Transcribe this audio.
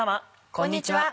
こんにちは。